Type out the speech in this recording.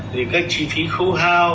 thì các chi phí khu hai